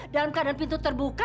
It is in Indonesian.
dalam keadaan pintu terbuka